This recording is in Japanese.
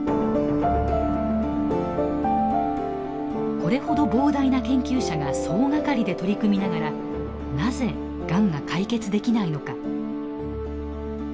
これほど膨大な研究者が総がかりで取り組みながらなぜがんが解決できないのか。